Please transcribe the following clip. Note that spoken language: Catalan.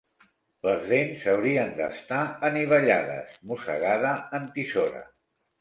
Les dents haurien d'estar anivellades, mossegada en tisora.